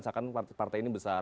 seakan partai ini besar